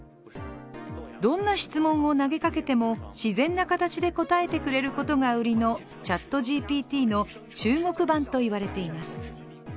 どんな質問を投げかけても自然な形で答えてくれることが売りのＣｈａｔＧＰＴの中国版と言われています。